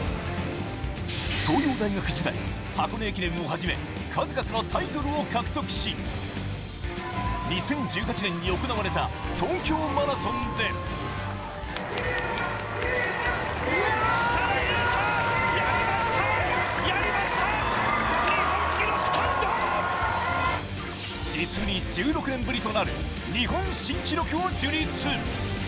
東洋大学時代、箱根駅伝をはじめ数々のタイトルを獲得し、２０１８年に行われた東京マラソンで実に１６年ぶりとなる日本新記録を樹立。